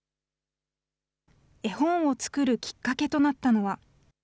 絵本を作るきっかけとなったのは。